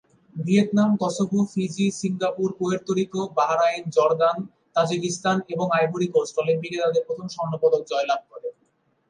Vietnam, Kosovo, Fiji, Singapore, Puerto Rico, Bahrain, Jordan, Tajikistan এবং Ivory Coast অলিম্পিকে তাদের প্রথম স্বর্ণ পদক জয়লাভ করে।